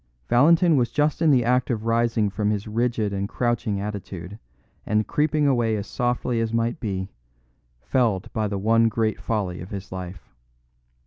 '" Valentin was just in the act of rising from his rigid and crouching attitude and creeping away as softly as might be, felled by the one great folly of his life.